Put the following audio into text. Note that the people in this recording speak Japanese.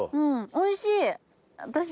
おいしい！